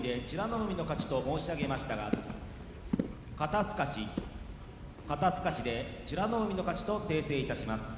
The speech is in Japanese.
海の勝ちと申し上げましたが肩すかしで美ノ海の勝ちと訂正いたします。